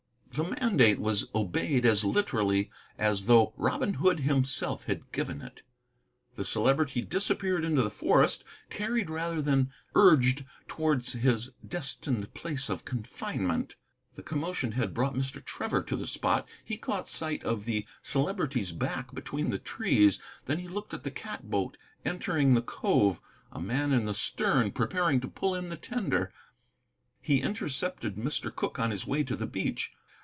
The mandate was obeyed as literally as though Robin Hood himself had given it. The Celebrity disappeared into the forest, carried rather than urged towards his destined place of confinement. The commotion had brought Mr. Trevor to the spot. He caught sight of the Celebrity's back between the trees, then he looked at the cat boat entering the cove, a man in the stern preparing to pull in the tender. He intercepted Mr. Cooke on his way to the beach.